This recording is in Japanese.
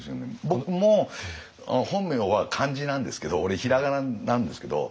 僕も本名は漢字なんですけど俺平仮名なんですけど。